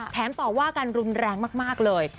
ต่อว่ากันรุนแรงมากเลย